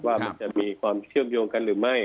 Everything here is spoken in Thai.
ว่ามันจะมีความเชื่อมโยงกันหรือไม่